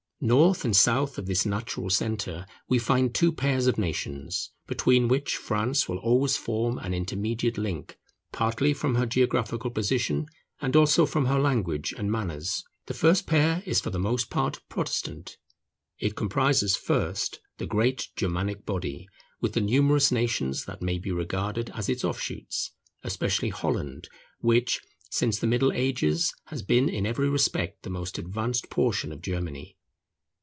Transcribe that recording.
North and south of this natural centre, we find two pairs of nations, between which France will always form an intermediate link, partly from her geographical position, and also from her language and manners. The first pair is for the most part Protestant. It comprises, first, the great Germanic body, with the numerous nations that may be regarded as its offshoots; especially Holland, which, since the Middle Ages, has been in every respect the most advanced portion of Germany.